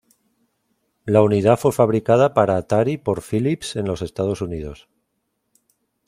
La unidad fue fabricada para Atari por Philips en los Estados Unidos.